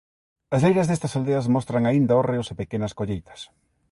As leiras destas aldeas mostran aínda hórreos e pequenas colleitas.